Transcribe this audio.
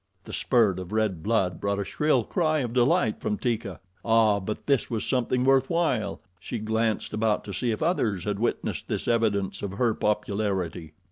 The spurt of red blood brought a shrill cry of delight from Teeka. Ah, but this was something worth while! She glanced about to see if others had witnessed this evidence of her popularity.